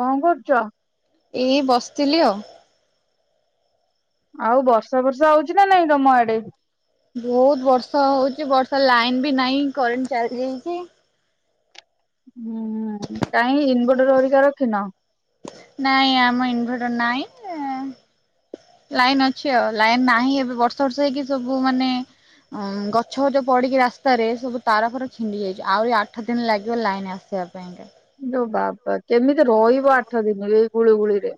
କଣ କରୁଚ? ଏଇ ବସିଥିଲି ଆଉ। ଆଉ ବର୍ଷା ଫର୍ଷା ହଉଛି ନା ନାଇଁ ତମ ଆଡେ? ବହୁତ ବର୍ଷା ହଉଛି ବର୍ଷା ଲାଇନ ବି ନାହିଁ କରେଣ୍ଟ ଚାଲି ଯାଇଚି। ହୁଁ କାହିଁ ଇନ୍ ଭେଟର ହରିକା ରଖିନ? ନାଇଁ ଆମ ଇନଭଟର ନାଇଁ ଏ ଲାଇନ ଅଛି ଆଉ ଲାଇନ ନାହିଁ ଏବେ ବର୍ଷ ବର୍ଷ ହେଇକି ସବୁ ମାନେ ଅମ୍ ଗଛ ଫଛ ପଡିକି ରାସ୍ତାରେ ସବୁ ତାର ଫାର ଛିଣ୍ଡି ଯାଇଛି ଆହୁରି ଆଠ ଦିନ ଲାଗିବ ଲାଇନ ଆସିବା ପାଇଁ କା। ଲୋ ବାବା କେମିତି ରହିବ ଆଠ ଦିନ ଏଇ ଗୁଳିୁଗୁଳିରେ?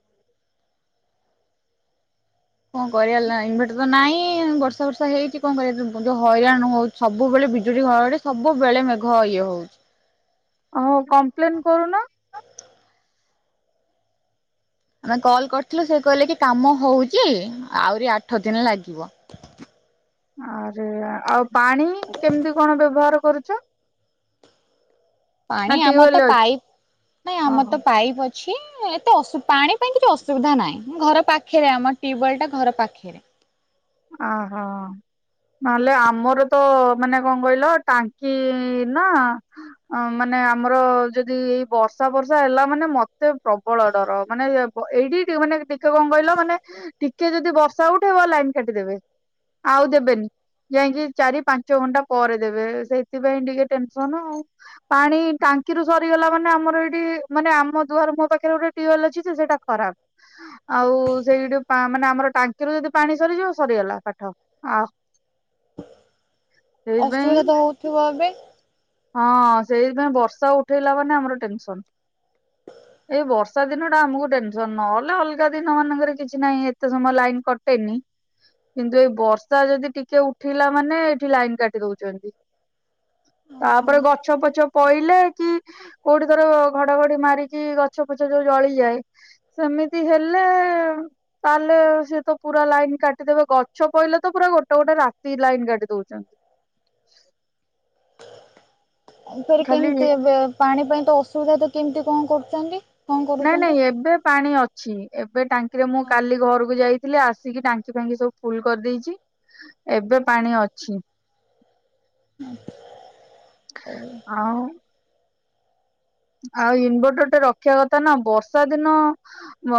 କଣ କରିବା ଲା ଇନଭଟର ତ ନାଇଁ ବର୍ଷା ଫର୍ଷା ହେଇକି କଣ କରିଆ ଯୋଉ ହଇରାଣ ହଉ ସବୁବେଳେ ବିଜୁଳି ଘଡ ଘଡି ସବୁବେଳେ ମେଘ ଇଏ ହଉଛି। ଓହୋ କମ୍ପ୍ଲେନ୍ କରୁନ? ଆମେ କଲ୍ କରିଥିଲୁ ସେ କହିଲେ କି କାମ ହଉଛି ଆହୁରି ଆଠ ଦିନ ଲାଗିବ। ଆରେ ଆଉ ପାଣି କେମିତି କଣ ବ୍ୟବହାର କରୁଛ? ପାଣି ନା ଆମର ଟ୍ୟୁବୱେଲ ତ ଅଛି ପାଇପ ନାଇଁ ଆମର ଓହୋ ତ ପାଇପ୍ ଅ ଛି ଏତେ ଅଶୁ ପାଣି ପାଇଁ କିଛି ଅସୁବିଧା ନାହିଁଁ ଘର ପାଖରେ ଆମ ଟ୍ୟୁବୱେଲ୍ଟା ଘର ପାଖରେ। ଆଁ ହ। ନହେଲେ ଆମର ତ ମାନେ କଣ କହିଲ ଟାଙ୍କି ନା ଅ ମାନେ ଆମର ଯଦି ଏଇ ବର୍ଷା ପର୍ଷା ହେଲା ମାନେ ମତେ ପ୍ରବଳ ଡର ମାନେ ଏଇଠି ଟ ମାନେ ଟିକେ କଣ କହିଲ ମାନେ ଟିକେ ଯଦି ବର୍ଷା ହେଉଥିବ ଲାଇନ କାଟିଦେବେ। ଆଉ ଦେବେନି। ଯାଇକି ଚାରି ପାଞ୍ଚ ଘଣ୍ଟା ପରେ ଦେବେ ସେଇଥିପାଇଁ ଟିକେ ଟେନସନ ଆଉ। ପାଣି ଟାଙ୍କିରୁୁ ସରିଗଲା ମାନେ ଆମର ଏଇଠି ମାନେ ଆମ ଦୁଆର ମୁହଁ ପାଖରେ ଗୋଟେ ଟି ଅଲ୍ ଅଛି ସେଇଟା ଖରାପ ଆଉ ସେଇଠୁ ମାନେ ଆମର ଟାଙ୍କିରୁ ଯଦି ପାଣି ସରିଯିବ ସରିଗଲା କାଠ ଆ ଅସୁବିଧା ତ ହଉଥିବ ଏବେ? ହଁ ସେଇବା ବର୍ଷା ଉଠେଇଲା ମାନେ ଆମର ଟେନସନ। ହ ଏଇ ବର୍ଷା ଦିନ ଟା ଆମକୁ ଟେନସନ ନହେଲେ ଅଲଗା ଦିନ ମାନଙ୍କରେ କିଛି ନାହିଁ ଏତେ ସମୟ ଲାଇନ କଟେନି କିନ୍ତୁ ଏଇ ବର୍ଷା ଯଦି ଟିକେ ଉଠିଲା ମାନେ ଏଇଠି ଲାଇନ କାଟି ଦଉଛନ୍ତି। ତାପରେ ଗଛ ପଛ ପଇଲେ କି କୋଉଠି ଥର ଘଡଘଡି ମାରିକି ଗଛ ଫଛ ଯୋଉ ଜଳିଯାଏ ସେମିତି ହେଲେ ତାହେଲେ ସେ ତ ପୁରା ଲାଇନ କାଟିଦବେ ଗଛ ପହିଲେ ତ ପୁରା ଗୋଟେ ଗୋଟେ ରାତି ଲାଇନ୍ କାଟି ଦଉଛନ୍ତି। ସେଠି ଖାଲି କେମିତି ଏବେ ପାଣି ପାଇଁ ତ ଅସୁବିଧା ତ କେମିତି କଣ କରୁଛନ୍ତି? କଣ ନାଇଁ କରୁଛନ୍ତି ନାଇଁ ଏବେ ପାଣି ଅଛି ଏବେ ଟାଙ୍କିରେ ମୁଁ କାଲି ଘରକୁ ଯାଇ ଆସିକି ଟାଙ୍କି ଫାଙ୍କି ସବୁ ଫୁଲ କରିଦେଇଛି ଏବେ ପାଣି ଅଛି। ଆଉ ଆଉ ଇନଭଟର ଟେ ରଖିବା କଥା ନା ବର୍ଷା ଦିନ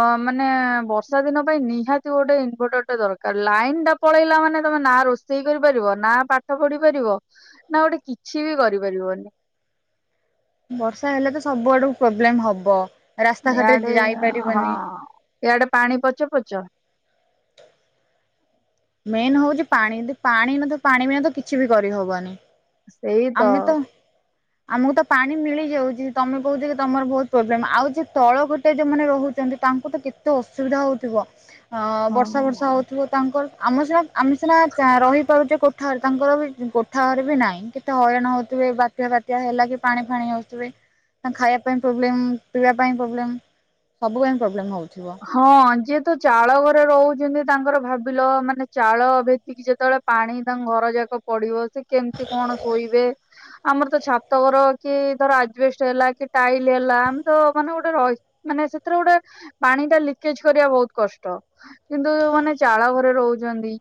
ଅ ମାନେ ବର୍ଷା ଦିନ ପାଇଁ ନିହାତି ଗୋଟେ ଇନଭଟର ଟା ଦରକାର ଲାଇନ୍ ଟା ପଳେଇଲା ମାନେ ତମେ ନା ରୋଷେଇ କରିପାରିବ ନା ପାଠ ପଢି ପାରିବ ନା ଗୋଟେ କିଛି ବି କରିପାରିବନି। ବର୍ଷା ହେଲେ ତ ସବୁ ଆଡକୁ ପ୍ରୋବ୍ଲେମ ହବ ଇଆଡେ ରାସ୍ତାଘାଟରେ ହଁ ଯାଇପାରିବନି। ଇଆଡେ ପାଣି ପଚ ପଚ। ମେନ୍ ହଉଚି ପାଣି ଦ ପାଣି [unintelligible] ତ ପାଣି ବିନା ତ କିଛି ବି କରିହବନି। ଆମେ ତ ଆମକୁ ତ ପାଣି ମିଳିଯାଉଚି ତମେ କହୁଚ କି ତମର ବହୁତ୍ ପ୍ରୋବ୍ଲେମ୍ ଆଉ ଯେ ତଳ ଘରଟେ ଯୋଉମାନେ ରହୁଚନ୍ତି ତାଙ୍କୁ ତ କେତେ ଅସୁବିଧା ହଉଥିବ। ହଁ ବର୍ଷା ଫର୍ଷା ହଁ ହଉଥିବ ତାଙ୍କର ଆମ ସିନା ଆମେ ସିନା ଚା ରହିପାରୁଚେ କୋ ଠାର୍ ତାଙ୍କର ବି କୋଠା ଘର୍ ବି ନାଇଁ କେ ତେ ହଇରାଣ ହଉଥିବେ ବାତ୍ୟା ଫାତ୍ୟା ହେଲା କି ପାଣି ଫାଣି ହଉଥିବେ। ତାଙ୍କ୍ ଖାଇଆ ପାଇଁ ପ୍ରୋବ୍ଲେମ୍ ପିଇବା ପାଇଁ ପ୍ରୋବ୍ଲେମ୍ ସବୁ ପାଇଁ ପ୍ରୋବ୍ଲେମ୍ ହଉଥିବ। ହଁ ଯିଏ ତ ଚାଳ ଘରେ ରହୁଛନ୍ତି ତାଙ୍କର ଭାବିଲ ମାନେ ଚାଳ ଭେତିକି ଯେତେଏଳେ ପାଣି ତାଙ୍କ ଘର ଯାକ ପଡିବ ସେ କେମ୍ତି କଣ ଶୋଇବେ? ଆମର ତ ଛାତ ଘର କି ଧର ଆଜବେଷ୍ଟ ହେଲା କି ଟାଇଲ୍ ହେଲା ଆମେ ତ ମାନେ ଗୋଟେ ର ମାନେ ସେଥିରେ ଗୋଟେ ପାଣି ଟା ଲିକେଜ୍ କରିବା ବହୁତ୍ କଷ୍ଟ କିନ୍ତୁ ଯୋଉମାନେ ଚାଳ ଘରେ ରହୁଛନ୍ତି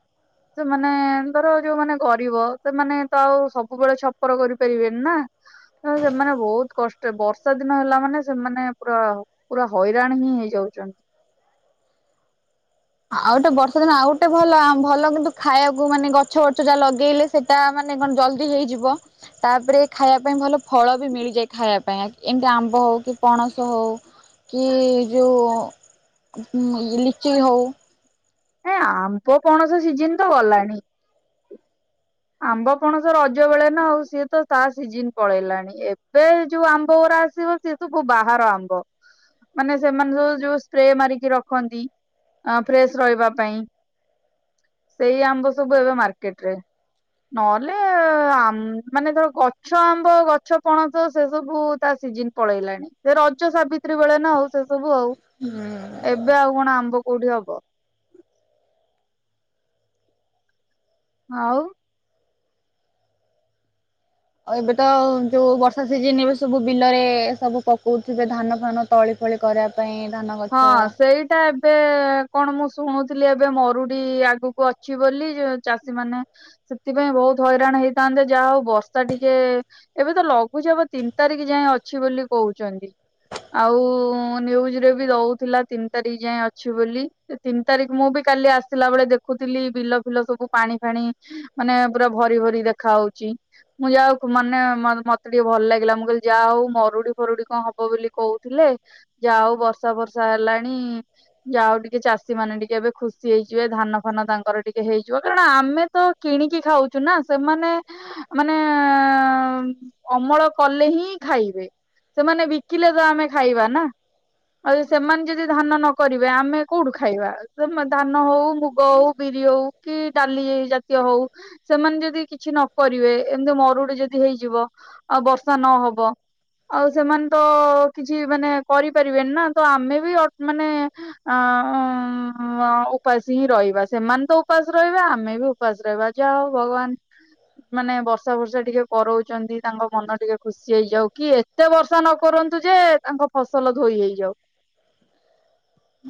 ସେମାନେ ଧର ଯୋଉମାନେ ଗରିବ ସେମାନେ ତ ଆଉ ସବୁବେଳେ ଛପର କରିପାରିବେନି ନା। ତ ସେମାନେ ବହୁତ୍ କଷ୍ଟ ବର୍ଷା ଦିନ ହେଲା ମାନେ ସେମାନେ ପୁରା ପୁରା ହଇରାଣ ହିଁ ହେଇଯାଉଚନ୍ତି। ଆଉ ଗୋଟେ ବର୍ଷା ଦିନ ଆଉ ଗୋଟେ ଭଲ ଆଁ ଭଲ କିନ୍ତୁ ଖାଇଆକୁ ମାନେ ଗଛ ବର୍ଛ ଯା ଲଗେଇଲେ ସେଟା ମାନେ କଣ୍ ଜଲ୍ଦି ହେଇଯିବ। ତାପରେ ଖାଇଆ ପାଇଁ ଭଲ ଫଳ ବି ମିଳିଯାଏ ଖାଇଆ ପାଇଁ ଏମ୍ତି ଆମ୍ବ ହଉ କି ପଣସ ହଉ କି ଯୋଉ ଉଁ ଲିଚି ହଉ। ଏଁ ଆମ୍ୱ ପଣସ ସିଜିନ୍ ତ ଗଲାଣି। ଆମ୍ବ ପଣସ ରଜ ବେଳେ ନା ଆଉ ସିଏ ତ ତା ସିଜିିନ୍ ପଳେଇଲାଣି ଏବେ ଯୋଉ ଆମ୍ବ ଗୂରା ଆସିବ ସିଏ ସବୁ ବାହାର ଆମ୍ବ ମାନେ ସେମାନେ ଯୋଉ ଯୋଉ ସ୍ପ୍ରେ ମାରିକି ରଖନ୍ତି ଆଁ ଫ୍ରେଶ୍ ରହିବା ପାଇଁ ସେଇ ଆମ୍ବ ସବୁ ଏବେ ମାର୍କେଟ୍ ରେ। ନହେଲେ ଆମ୍ ମାନେ ଧର ଗଛ ଆମ୍ବ ଗଛ ପଣସ ସେ ସବୁ ତା ସିଜିନ୍ ପଳେଇଲାଣି ସେ ରଜ ସାବିତ୍ରୀ ବେଳେ ନା ଆଉ ସେ ସବୁ ଆଉ। ହୁଁ। ଏବେ ଆଉ କଣ ଆମ୍ବ କୋଉଠି ହବ? ଆଉ। ଅ ଏବେ ତ ଯୋଉ ବର୍ଷା ସିଜନ୍ ଏବେ ସବୁ ବିଲରେ ସବୁ ପକଉଥିବେ ଧାନ ଫାନ ତଳି ପଳି କରିଆ ପାଇଁ ଧାନ ଗଛ ତା ଏବେ କଣ ମୁଁ ଶୁଣୁଥିଲି ଏବେ ମରୁଡି ଆଗକୁ ଅଛି ବୋଲି [unintelligible] ଚାଷୀ ମାନେ ସେଥିପାଇଁ ବହୁତ୍ ହଇରାଣ ହେଇଥାନ୍ତେ ଯା ହଉ ବର୍ଷା ଟିକେ ଏବେ ତ ଲଘୁଚାପ ତିନ୍ ତାରିଖ୍ ଯାଏଁ ଅଛି ବୋଲି କହୁଚନ୍ତି। ଆଉ ନ୍ୟୁଜ୍ ରେ ବି ଦଉଥିଲା ତିନ୍ ତାରିଖ୍ ଯାଏଁ ଅଛି ବୋଲି ଏ ତିନ୍ ତାରିଖ୍ ମୁଁ ବି କାଲି ଆସିଲା ବେଳେ ଦେ ଖୁଥିଲି ବିଲ ଫିଲ ସବୁ ପାଣି ଫାଣି ମାନେ ପୁରା ଭରି ଭରି ଦେଖା ହଉଚି। ମୁଁ ଯାଉକୁ ମାନେ ମ ମତେ ଟିକେ ଭଲ ଲାଗିଲା ମୁଁ କହିଲି ଯା ହଉ ମରୁଡି ଫରୁଡି କଁ ହବ ବୋଲି କହୁଥିଲେ ଯା ହଉ ବର୍ଷା ଫର୍ଷା ହେଲାଣି ଯାଉ ଟିକେ ଚାଷୀ ମାନେ ଟିକେ ଏବେ ଖୁସି ହେଇଯିବେ ଧାନ ଫାନ ତାଙ୍କର ଟିକେ ହେଇଯିବ କାରଣ ଆମେ ତ କିଣିକି ଖାଉଚୁ ନା ସେମାନେ ମାନେ [unintelligible] ଅମଳ କଲେ ହିଁ ଖାଇବେ। ସେମାନେ ବିକିଲେ ତ ଆମେ ଖାଇବା ନା। ଆଉ ସେମାନେ ଯଦି ଧାନ ନ କରିବେ ଆମେ କୋଉଠୁ ଖାଇବା [unintelligible] ଧାନ ହଉ ମୁଗ ହଉ ବିରି ହଉ କି ଡାଲି ଜାତୀୟ ହଉ। ସେମାନେ ଯଦି କିଛି ନ କରିବେ ଏମିତି ମରୁଡି ଯଦି ହେଇଯିବ ଆଉ ବର୍ଷା ନହବ। ଆଉ ସେମାନେ ତ କିଛି ମାନେ କରିପାରିବେନି ନା ତ ଆମେ ବି ଅ ମାନେ। ଆଁ ଉଁ ଓ ଉପାସ ହିଁ ରହିବା ସେମାନେ ତ ଉପାସ ରହିବା ଆମେ ବି ଉ ଉପାସ ରହିବା ଯା ହଉ ଭଗବାନ। ମାନେ ବର୍ଷା ଫର୍ଷା ଟିକେ କରଉଛନ୍ତି ତାଙ୍କ ମନ ଟିକେ ଖୁସି ହେଇଯାଉ କି ଏ। ଏତେ ବର୍ଷା ନ କରନ୍ତୁ ଯେ ତାଙ୍କ ଫସଲ ଧୋଇ ହେଇଯାଉ।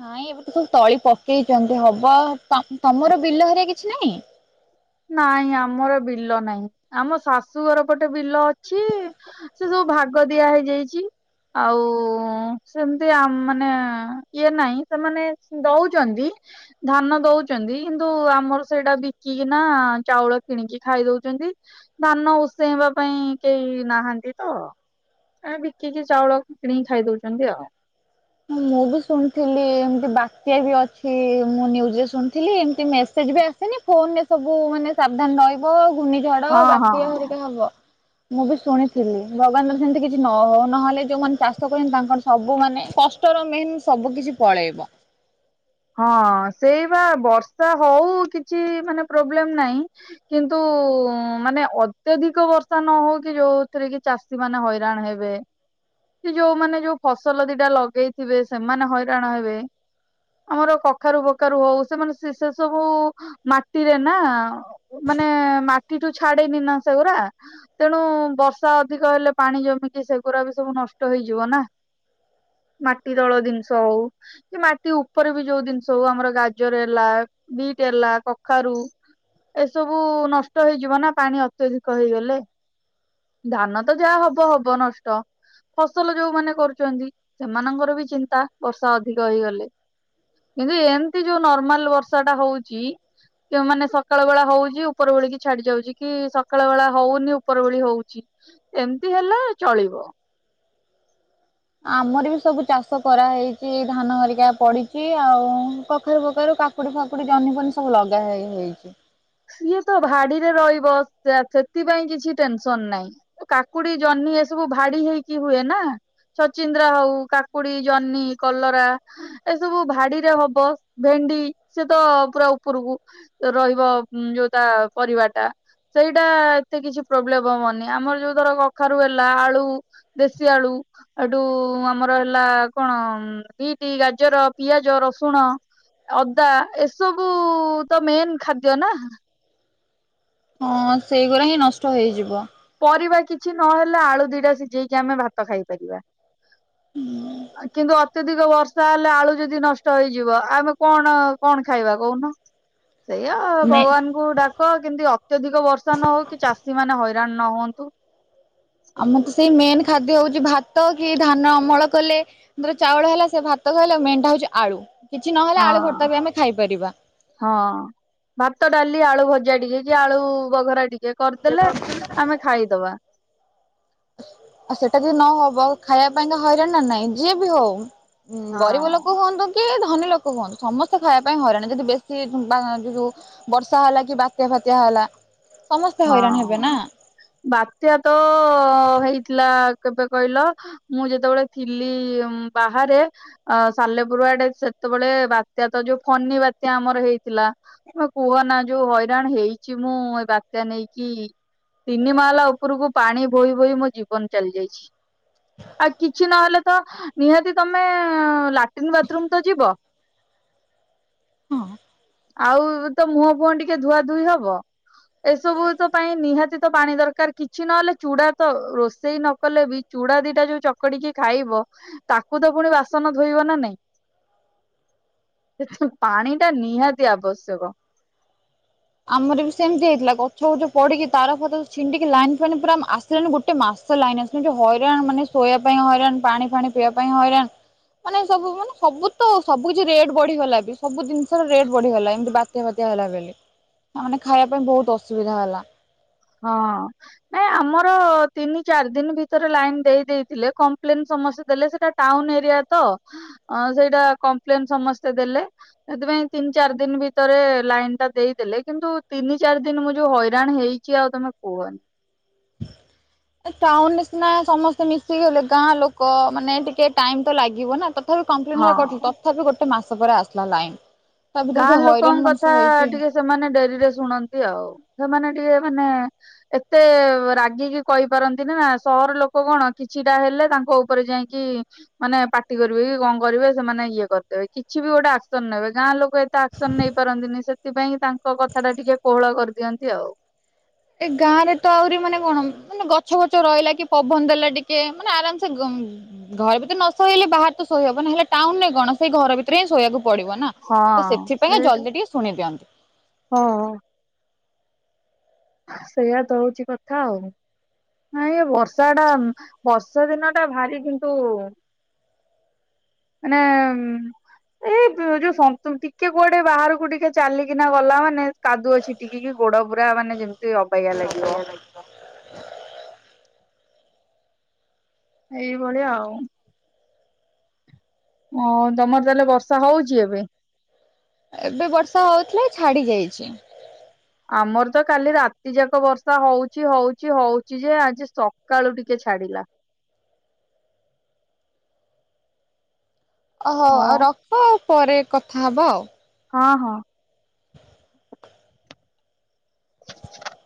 ନାଇଁ ଏବେ ତ ସବୁ ତଳି ପକେଇଛନ୍ତି ହବ ତା ତମର ବିଲ ହେରୀକା କିଛି ନାଇଁ? ନାଇଁ ଆମର ବିଲ ନାହିଁ ଆମ ଶାଶୁଘର ପଟେ ବିଲ ଅଛି। ସେ ସବୁ ଭାଗ ଦିଆ ହେଇଯାଇଛି। ଆଉ ସେମତି ଆ ମାନେ ଇଏ ନାହିଁ ସେମାନେ ଦଉଛନ୍ତି। ଧାନ ଦଉଛନ୍ତି କିନ୍ତୁ ଆମର ସେଇଟା ବିକି କି ନା ଚାଉଳ କିଣିକି ଖାଇ ଦଉଛନ୍ତି। ଧାନ ଉସେଁଇବା ପାଇଁ କେହି ନାହାନ୍ତି ତ। ଏ ବିକିକି ଚାଉଳ କିଣିକି ଖାଇ ଦଉଛନ୍ତି ଆଉ। ମୁଁ ବି ଶୁଣିଥିଲି ଏମତି ବାତ୍ୟା ବି ଅଛି ମୁଁ ନିନ୍ୟୁଜରେ ଶୁଣିଥିଲି ଏମତି ମେସେଜ ବି ଆସିି ସେନି ଫୋନରେ ସବୁ ମାନେ ସାବଧାନ ରହିବ ଘୂର୍ଣ୍ଣିଝଡ ହଁ ହଁ ବାତ୍ୟା ଘରିକା ହବ। ମୁଁ ବି ଶୁଣିଥିଲି ଭଗବାନଙ୍କ ଦୟାରୁ ସେମତି କିଛି ନହଉ ନହେଲେ ଯୋଉମାନେ ଚାଷ କରୁଛନ୍ତି ତାଙ୍କର ସବୁ ମାନେ କଷ୍ ଷ୍ଟ ର ମେନ ସବୁକିଛି ପଳେଇବ। ହଁ ସେଇ ବା ବର୍ଷା ହଉ କିଛି ମାନେ ପ୍ରୋବ୍ଲେମ ନାହିଁ। କିନ୍ତୁ ମାନେ ଅତ୍ୟଧିକ ବର୍ଷା ନ ହଉ କି ଯୋଉଥିରେ କି ଚାଷ ଷୀ ମାନେ ହଇରାଣ ହେବେ। କି ଯୋଉମନେ ଯୋଉ ଫସଲ ଦିଟା ଲଗେଇଥିବେ ସେମାନେ ହଇରାଣ ହେବେ। ଆମର କଖାରୁ ଫଖାରୁ ହଉ ସେମାନେ ସେ ସବୁ ମାଟିରେ ନା। ମାନେ ମାଟିଠୁ ଛାଡେନିନା ସେଗୁରା। ତେଣୁ ବର୍ଷା ଅଧିକ ହେଲେ ପାଣି ଜମିକି ସେଗୁୁରା ବି ସବୁ ନଷ୍ଟ ହେଇଯିବ ନା। ମାଟି ତଳ ଜିନିଷ ହଉ କି ମାଟି ଉପ ଉପରେ ବି ଯୋଉ ଜିନିଷ ହଉ ଆମର ଗାଜର ହେଲା ବିଟ୍ ହେଲା କଖାରୁ। ଏସବୁ ନଷ୍ଟ ହେଇଯିବ ନା ପାଣି ଅତ୍ୟଧିକ ହେଇଗଲେ। ଧାନ ତ ଯାହା ହବ ହବ ନଷ୍ଟ। ଫସଲ ଯୋଉମାନେ କରୁଛନ୍ତି ସେମାନଙ୍କର ବି ଚିନ୍ତା ବର୍ଷା ଅଧିକ ହେଇଗଲେ। କିନ୍ତୁ ଏମିତି ଯୋଉ ନର୍ମାଲ ବର୍ଷା ଟା ହଉଛି। କି ମାନେ ସକାଳ ବେଳା ହଉଛି ଉପର ବେଳିକି ଛାଡି ଯାଉଛି କି ସକାଳ ବେଳା ହଉନି ଉପର ବେଳି ହଉଛି। ଏମିତି ହେଲେ ଚଳିବ। ଆମର ବି ସବୁ ଚାଷ କରାହେଇଛି ଧାନ ହରିକା ପଡିଛି ଆଉ କଖାରୁ ଫଖାରୁା କା କାକୁଡି ଫାକୁଡି ଜହ୍ନି ଫନି ସବୁ ଲଗା ହେଇ ହେଇଛି। ସିଏ ତ ଭାଡିରେ ରହିବ ସିଆ ସେଥିପାଇଁ କିଛି ଟେନସନ ନାହିଁ। କାକୁଡି ଜହ୍ନି ଏସବୁ ଭାଡି ହେଇକି ହୁଏ ନା। ଛଚିନ୍ଦ୍ରା ହଉ କାକୁଡି ଜହ୍ନି କଲରା। ଏସବୁ ଭାଡିରେ ହବ ଭେଣ୍ଡି ସିଏ ତ ପୁରା ଉପରକୁ ରହିବ। ଉଁ ଯୋଉ ତା ପରିବା ଟା। ସେଇଟା ଏତେ କିଛି ପ୍ରୋବ୍ଲେବ ହବନି ଆମର ଯୋଉ ଧର କଖାରୁ ହେଲା ଆଳୁ। ଦେଶୀ ଆଳୁ। ଏଠୁ ଆମର ହେଲା କଣ ବିଟି ଗାଜର ପିଆଜ ରସୁଣ। ଅଦା ଏସବୁ ତ ମେନ୍ ଖାଦ୍ୟ ନା। ହଁ ସେଇଗୁରା ହିଁ ନଷ୍ଟ ହେଇଯିବ। ପରିବା କିଛି ନହେଲେ ଆଳୁ ଦିଟା ସିଜେଇକି ଆମେ ଭାତ ଖାଇପାରିବା। ହୁଁ। କିନ୍ତୁ ଅତ୍ୟଧିକ ବର୍ଷା ହେଲେ ଆଳୁ ଯଦି ନଷ୍ଟ ହେଇଯିବ ଆମେ କଣ କଣ ଖାଇବା କହୁନ। ସେଇଆ ମେ ଭଗବାନଙ୍କୁ ଡାକ କିନ୍ତି ଅତ୍ୟଧିକ ବର୍ଷା ନ ହଉ କି ଚାଷୀମାନେ ହଇ ରାଣ ନ ହୁଅନ୍ତୁ। ଆମର ତ ସେଇ ମେନେ ଖାଦ୍ୟ ହଉଚି ଭାତ କି ଧାନ ଅମଳ କଲେ ହିନ୍ତିରେ ଚାଉଳ ହେଲା ସେ ଭାତ ଖାଇଲେ ମେନଟା ହଉଚି ଆଳୁ କିଛି ନହେଲେ ଆଳୁ ହଁ ଭର୍ତ୍ତା ବି ଆମେ ଖାଇପାରିବା। ହଁ ଭାତ ଡାଲି ଆଳୁ ଭଜା ଟିକେ କି ଆଳୁ ବଘରା ଟି କେ କରିଦେଲେ ଆମେ ଖାଇଦବା। ଆଉ ସେଟା ଯଦି ନ ହବ ଖାଇଆ ପାଇଁକା ହଇରାଣ ନା ନାଇଁ ଯିଏ ବି ହଉ। ଉଁ ହଁ ଗରିବ ଲୋକ ହୁଅନ୍ତୁ କି ଧନୀ ଲୋକ ହୁଅନ୍ତୁ ସମସ୍ତେ ଖାଇବା ପାଇଁ ହଇରାଣ ଯଦି ବେଶୀ [unintelligible] ବର୍ଷା ହେଲା କି ବାତ୍ୟା ଫାତ୍ୟା ହେଲା ସମସ୍ତେ ହଇରାଣ ହେବେ ନା ହଁ ବାତ୍ୟା ତ ହେଇଥିଲା କେବେ କହିଲ ମୁଁ ଯେତେବେଳେ ଥିଲି ଉଁ ବାହାରେ ଅ ସାଲେପୁର ଆଡେ ସେତେବେଳେ ବାତ୍ୟା ତ ଯୋଉ ଫନି ବାତ୍ୟା ଆମର ହେଇଥିଲା। ତମେ କୁହନା ଯୋଉ ହଇରାଣ ହେଇଚି ମୁଁ ଏ ବା ତ୍ୟା ନେଇକି ତିନି ମାହାଲା ଓପୁରୁକୁ ପାଣି ବୋହି ବୋହି ମୋ ଜୀବନ ଚାଲିଯାଇଛି। ଆଉ କିଛି ନହେଲେ ତ ନିହାତି ତମେ ଲାଟ୍ରିନ୍ ବାଥରୁମ୍ ତ ଯିବ। ହଁ। ଆଉ ତ ମୁହଁ ଫୁହଁ ଟିକେ ଧୁଆ ଧୁଇ ହବ। ଏସବୁ ତ ପାଇଁ ନିହାତି ତ ପାଣି ଦରକାର କିଛି ନହେଲେ ଚୁଡା ତ ରୋଷେଇ ନ କଲେ ବି ଚୁଡା ଦିଟା ଯୋଉ ଚକଡିକି ଖାଇବ ତାକୁ ତ ପୁଣି ବାସନ ଧୋଇବ ନା ନାଇଁ। ପାଣିଟା ନିହାତି ଆବଶ୍ୟକ। ଆମର ବି ସେମତି ହେଇଥିଲା ଗଛ ବୁଛ ପଡିକି ତାର ଫାର ଛିଣ୍ଡିକି ଲାଇନ୍ ଫାଇନ୍ ପୁରା ମା ସିଲାନି ଗୋଟେ ମାସ ଲାଇନ ଆସିନି ଯୋଉ ହଇରାଣ ମାନେ ଶୋଇଆ ପାଇଁ ହଇରାଣ ପାଣି ଫାଣି ପିଇବା ପାଇଁ ହଇରାଣ। ମାନେ ସବୁ ମାନେ ସବୁ ତ ସବୁ କିଛି ରେଟ୍ ବଢିଗଲା ବି ସବୁ ଜିନ୍ ଷର ରେଟ୍ ବଢିଗଲା ଏମତି ବାତ୍ୟା ଫାତ୍ୟା ହେଲା ବେଲି ହଁ ମାନେ ଖାଇଆ ପାଇଁ ବୋହୁତ ଅସୁବିଧା ହେଲା। ହଁ। ନାଇଁ ଆମର ତିନି ଚାରି ଦିନ ଭିତେରେ ଲାଇନ ଦେଇ ଦେଇଥିଲେ କମ୍ପ୍ଲେନ ସମସ୍ତେ ଦେଲେ ସେଟା ଟାଉନ୍ ଏରିଆ ତ ଅଁ ସେଇଟା କମ୍ପ୍ଲେନ୍ ସମସ୍ତେ ଦେଲେ। ସେଥିପାଇଁ ତିନ ଚାରି ଦିନ ଭିତରେ ଲାଇନଟା ଦେଇଦେଲେ କିନ୍ତୁ ତିନି ଚାରି ଦିନ ମୁଁ ଯୋଉ ହଇରାଣ ହେଇ ଚି ଆଉ ତମେ କୁହନି। ତ ଟାଉନରେ ସିନା ସମସ୍ତେ ମିଶି ଗଲେ ଗାଁ ଲୋକ ମାନେ ଟିକେ ଟାଇମ୍ ତ ଲାଗିବ ନା ତ ଥାପି କମ୍ପ୍ଲେନ [unintelligible] କରିଥିଲୁ ହଁ ତଥାପି ଗୋଟେ ମାସ ପରେ ଆସିଲା ଲାଇନ୍। ଗାଁ ଲୋକଙ୍କ କଥା ଟିକେ ସେମାନେ ଡେରିରେ ଶୁଣନ୍ତି ଆଉ ସେମାନେ ଟିକେ ମାନେ ଏତେ ରାଗିକି କହିପାରନ୍ତିନି ନା ସହର ଲୋକ କଣ କିଛିଟା ହେଲେ ତାଙ୍କ ଉପରେ ଯାଇଁ କି ମାନେ ପାଟି କରିବେ କି କଁ କରିବେ ସେମାନେ ଇଏ କରିଦେବେ କିଛି ବି ଗୋଟେ ଆକ୍ସନ୍ ନେବେ ଗାଁ ଲୋ କ ଏତେ ଆକ୍ସନ୍ ନେଇ ପାରନ୍ତିନି ସେଥିପାଇଁକି ତାଙ୍କ କଥାଟା ଟିକେ କୋହଳ କରିଦିଅନ୍ତି ଆଉ। ଏ ଗାଁରେ ତ ଆହୁରି ମାନେ କଣ ମାନେ ଗଛ ଫଛ ରହିଲା କି ପବନ ଦେଲା ଟିକେ ମାନେ ଆରାମସେ ଗ ଉଁ ଉଁ ଘରେ ଭିତେରେ ନ ଶୋଇଲେ ବାହାରେ ତ ଶୋଇ ହବ ନହେଲେ ଟାଉନରେ କଣ ସେଇ ଘର ଭି ତେରେ ଶୋଇବାକୁ ପଡିବ ନା ତ ହଁ ସେଥିପାଇଁକା ସେଇଟା ଜଲ୍ଦି ଟିକେ ଶୁଣି ଦିଅନ୍ତି। ହଁ ହଁ। ସେଇଆ ତ ହଉଚି କଥା ଆଉ ହୁଁ। ନାଇଁ ଏ ବର୍ଷା ଟା ବର୍ଷା ଦିନ ଟା ଭାରି କିନ୍ତୁ ମାନେ ଏଇ ଯୋଉ ସନ୍ତୁ ଟିକେ କୁଆଡେ ବାହାରକୁ ଟିକେ ଚାଲିକିନା ଗଲା ମାନେ କାଦୁଅ ଛିଟିକି କି ଗୋଡ ପୁରା ମାନେ ଯେମିତି ଅବାଗିଆ ଲାଗିବ। ଏଇ ଭଳିଆ ଆଉ। ଓ ତମର ତାହେଲେ ବର୍ଷା ହଉଚି ଏବେ। ଏବେ ବର୍ଷା ହଉଥିଲା ଛାଡି ଯାଇଛି। ଆମର ତ କାଲି ରାତି ଯାକ ବର୍ଷା ହଉଚି ହଉଚି ହଉଚି ଯେ ଆଜି ସକାଳୁ ଟିକେ ଛାଡିଲା। ଓହୋ ଓ ଆଉ ରଖ ଆଉ ପରେ କଥା ହବା ଆଉ। ହଁ ହଁ। [unintelligible]